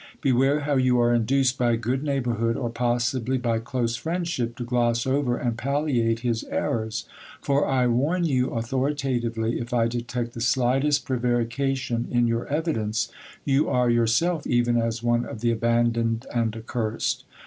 Beware how you are induced by good neighbourhood, or possibly by close friendship, to gloss over and palliate his errors ; for, I warn you authoritatively, if I detect the slightest prevarication in your evidence, you are yourself even as one of the abandoned and accursed.